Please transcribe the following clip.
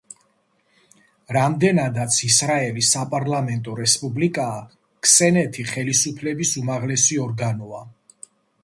რამდენადაც ისრაელი საპარლამენტო რესპუბლიკაა, ქნესეთი ხელისუფლების უმაღლესი ორგანოა.